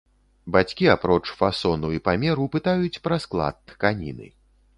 Бацькі, апроч фасону і памеру, пытаюць пра склад тканіны.